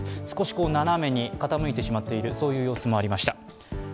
少し斜めに傾いてしまっているそういう様子もありました。